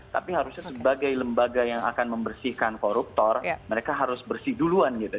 tapi harusnya sebagai lembaga yang akan membersihkan koruptor mereka harus bersih duluan gitu